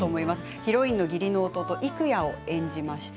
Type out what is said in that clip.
ヒロインの義理の弟郁弥を演じました。